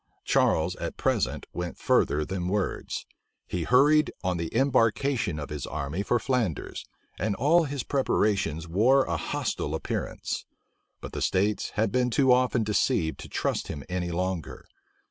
Charles at present went further than words. He hurried on the embarkation of his army for Flanders and all his preparations wore a hostile appearance. But the states had been too often deceived to trust him any longer.